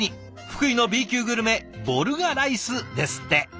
福井のＢ級グルメボルガライスですって。